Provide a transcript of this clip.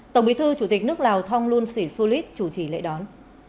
tổng bí thư chủ tịch nước lào thong lun sĩ su lít chủ trì lễ đón